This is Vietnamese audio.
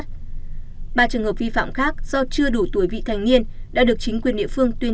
ba trường hợp vi phạm khác do chưa đủ tuổi vị thành niên